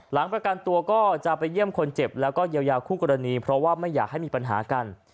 ประกันตัวก็จะไปเยี่ยมคนเจ็บแล้วก็เยียวยาคู่กรณีเพราะว่าไม่อยากให้มีปัญหากัน